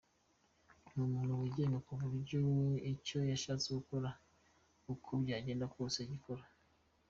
Ni umuntu wigenga ku buryo icyo yashatse gukora uko byagenda kose agikora.